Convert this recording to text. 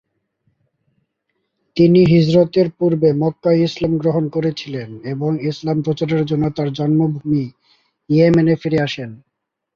তিনি হিজরতের পূর্বে মক্কায় ইসলাম গ্রহণ করেছিলেন এবং ইসলাম প্রচারের জন্য তার জন্মভূমি ইয়েমেনে ফিরে আসেন।